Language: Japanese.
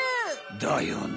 だよね。